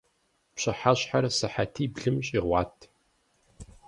Пщыхьэщхьэр сыхьэтиблым щӀигъуат.